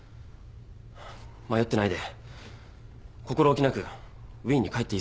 迷ってないで心おきなくウィーンに帰っていいぞ。